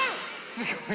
すごい！